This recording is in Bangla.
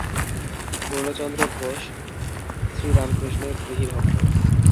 পূর্ণচন্দ্র ঘোষ শ্রীরামকৃষ্ণের গৃহী ভক্ত।